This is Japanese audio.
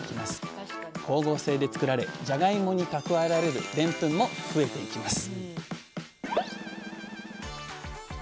光合成で作られじゃがいもに蓄えられるでんぷんも増えていきます